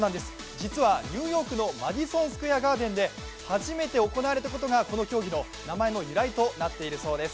実はニューヨークのマディソン・スクエア・ガーデンで初めて行われたことがこの競技の名前の由来となっているそうです。